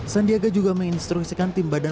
sandiaga juga menginstruksikan tim badan